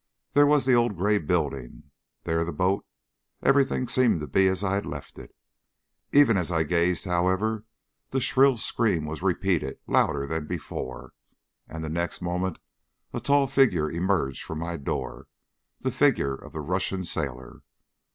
There was the old grey building there the boat. Everything seemed to be as I had left it. Even as I gazed, however, the shrill scream was repeated, louder than before, and the next moment a tall figure emerged from my door, the figure of the Russian sailor.